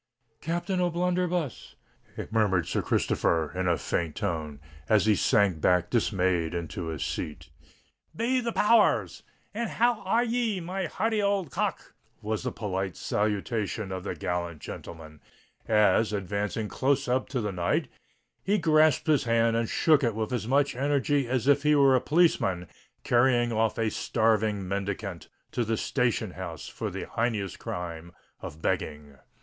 "Captain O'Blunderbuss!" murmured Sir Christopher, in a faint tone, as he sank back dismayed into his seat. "Be the power rs! and how are ye, my hearty old cock?" was the polite salutation of the gallant gentleman, as, advancing close up to the knight, he grasped his hand and shook it with as much energy as if he were a policeman carrying off a starving mendicant to the station house for the heinous crime of begging.